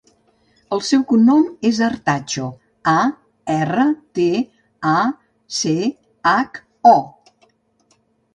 El seu cognom és Artacho: a, erra, te, a, ce, hac, o.